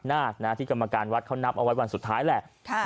นาคที่กรรมการวัดเขานับเอาไว้วันสุดท้ายแหละ